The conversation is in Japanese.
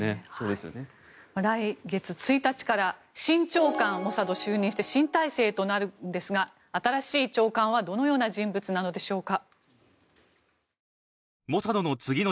来月１日から新長官がモサドは就任して新体制となるんですが新しい長官はどのような人物なのでしょうか。